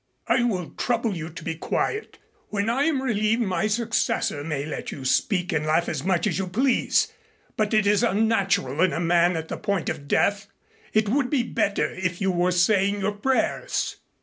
"I will trouble you to be quiet. When I am relieved, my successor may let you speak and laugh as much as you please. But it is unnatural in a man at the point of death. It would be better if you were saying your prayers."